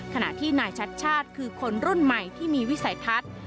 ขณะที่นายชัดชาติคือคนรุ่นใหม่ที่มีวิสัยทัศน์